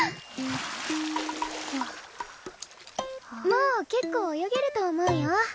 もう結構泳げると思うよ。